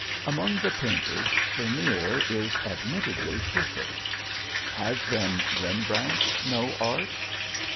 Among the painters Vermeer is admittedly perfect; has then Rembrandt no art?